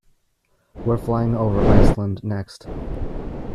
We're flying over Iceland next.